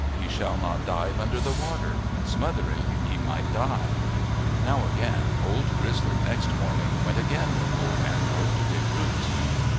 Ye shall not dive under the water ; smothering, ye might die." Now again Old Grizzly next morning went again with Old Antelope to dig roots.